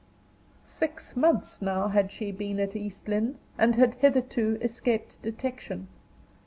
Six months now had she been at East Lynne, and had hitherto escaped detection.